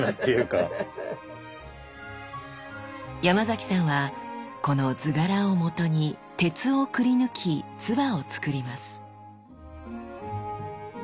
山崎さんはこの図柄をもとに鉄をくりぬき鐔をつくります。